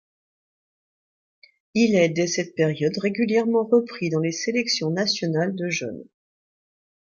Il est dès cette période régulièrement repris dans les sélections nationales de jeunes.